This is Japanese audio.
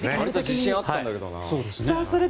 自信あったんだけどな。